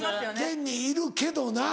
現にいるけどな。